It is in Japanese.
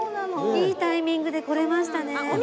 いいタイミングで来れましたね。